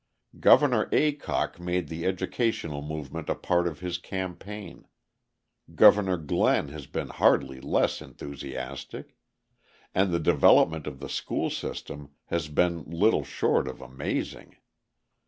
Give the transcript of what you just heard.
Governor Aycock made the educational movement a part of his campaign; Governor Glenn has been hardly less enthusiastic; and the development of the school system has been little short of amazing.